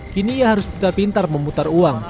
kini ia harus pindah pindah memutar uang